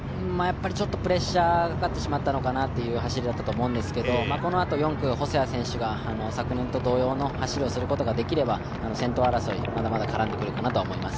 ちょっとプレッシャーがかかってしまったのかなという走りだったんですけどこのあと４区、細谷選手が昨年と同様の走りをすることができれば先頭争い、まだまだ絡んでくるかなと思います。